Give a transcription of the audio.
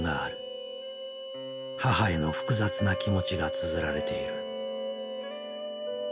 母への複雑な気持ちがつづられている。